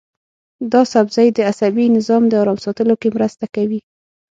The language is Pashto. دا سبزی د عصبي نظام د ارام ساتلو کې مرسته کوي.